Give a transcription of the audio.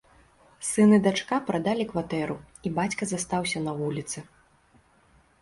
Сын і дачка прадалі кватэру, і бацька застаўся на вуліцы.